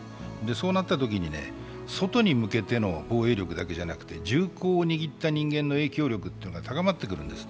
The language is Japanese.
そうなったときに外へ向けての防衛力だけじゃなくて、銃口を握った人の影響力が高まってくるんです。